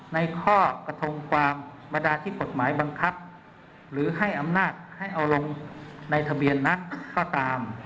ในข้อกระทงความบรรดาที่กฎหมายบังคับหรือให้อำนาจให้เอาลงในทะเบียนนักก็ตาม